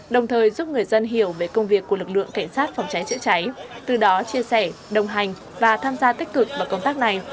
đồng thời giúp người dân hiểu về công việc của lực lượng cảnh sát phòng cháy chữa cháy từ đó chia sẻ đồng hành và tham gia tích cực vào công tác này